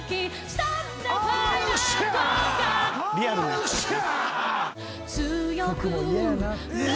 よっしゃ！